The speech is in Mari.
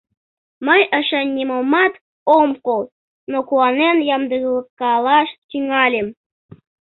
Мый эше нимомат ом кол, но куанен ямдылкалаш тӱҥальым.